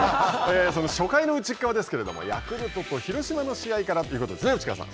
その初回のうちっかわですけれども、ヤクルトと広島の試合からということですね、内川さん。